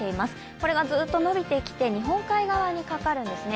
これがずっと伸びてきて、日本海側にかかるんですね。